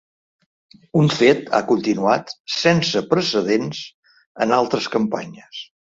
Un fet, ha continuat, ‘sense precedents’ en altres campanyes.